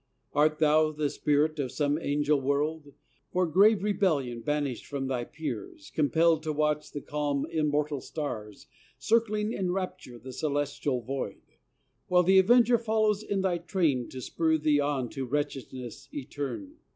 Art thou the Spirit of some Angel World, For grave rebellion banished from thy peers, Compelled to watch the calm, immortal stars, Circling in rapture the celestial void, While the avenger follows in thy train To spur thee on to wretchedness eterne?